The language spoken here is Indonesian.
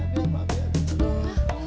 jadi untuk pertamanya